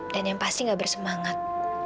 dan yang pasti gak bersemangat